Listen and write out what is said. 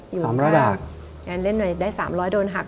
อยู่หลังข้างแอนเล่นไหนได้๓๐๐บาทโดนหัก